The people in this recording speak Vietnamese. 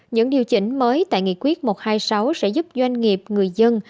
những điều chỉnh mới tại nghị quyết một trăm hai mươi sáu sẽ giúp doanh nghiệp người dân